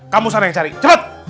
kamu sana yang cari cepet